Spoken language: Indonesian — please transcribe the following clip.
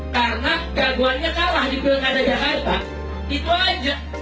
karena gangguannya kalah di belakang dajahat pak